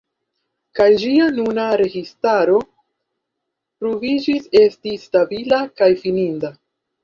Kaj ĝia nuna registaro pruviĝis esti stabila kaj fidinda.